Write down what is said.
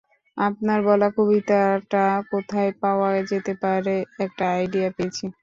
আপনার বলা কবিতাটা কোথায় পাওয়া যেতে পারে একটা আইডিয়া পেয়েছি।